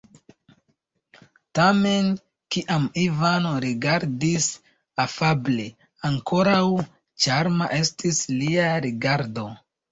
Tamen, kiam Ivano rigardis afable, ankoraŭ ĉarma estis lia rigardo.